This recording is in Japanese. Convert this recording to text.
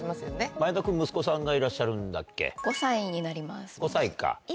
前田君息子さんがいらっしゃるんだっけ。